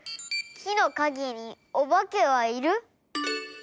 きのかげにおばけはいる？